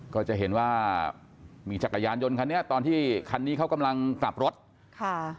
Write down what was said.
ก็จะเห็นว่ามีจักรยานยนต์คันนี้ตอนที่คันนี้เขากำลังกลับรถค่ะ